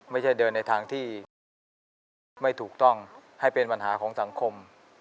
ไม่ใช่เดินในทางที่ไม่ถูกต้องให้เป็นปัญหาของสังคม